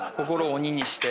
鬼にして。